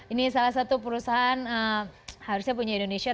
ini salah satu perusahaan harusnya punya indonesia